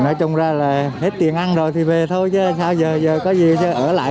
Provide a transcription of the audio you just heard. nói chung ra là hết tiền ăn rồi thì về thôi chứ sao giờ có gì chứ ở lại